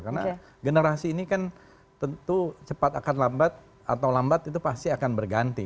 karena generasi ini kan tentu cepat akan lambat atau lambat itu pasti akan berganti